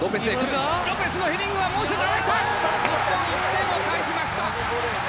日本１点を返しました。